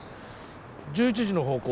１１時の方向